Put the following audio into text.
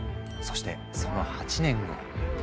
そしてその８年後。